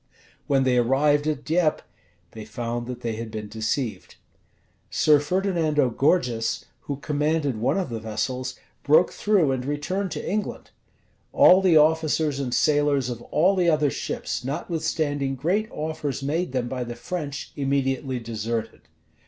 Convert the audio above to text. When they arrived at Dieppe, they found that they had been deceived. Sir Ferdinando Gorges, who commanded one of the vessels, broke through and returned to England. All the officers and sailors of all the other ships, notwithstanding great offers made them by the French, immediately deserted.